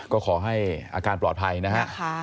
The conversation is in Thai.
ก็ขอให้อาการปลอดภัยนะฮะ